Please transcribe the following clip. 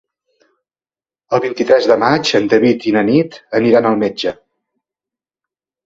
El vint-i-tres de maig en David i na Nit aniran al metge.